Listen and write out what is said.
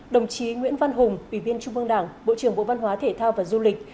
đồng chí nguyễn văn hùng ủy viên trung ương đảng bộ trưởng bộ văn hóa thể thao và du lịch